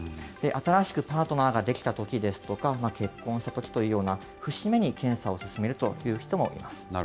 新しくパートナーができたときですとか、結婚したときというような、節目に検査を勧めるという人もいます。